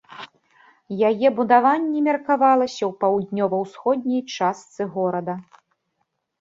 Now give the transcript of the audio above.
Яе будаванне меркавалася ў паўднёва-ўсходняй частцы горада.